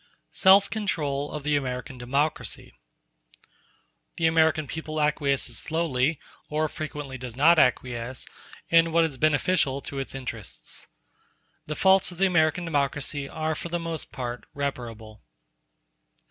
Self Control Of The American Democracy The American people acquiesces slowly, or frequently does not acquiesce, in what is beneficial to its interests—The faults of the American democracy are for the most part reparable.